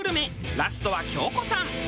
ラストは京子さん。